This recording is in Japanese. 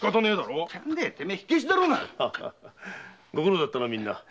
ご苦労だったなみんな。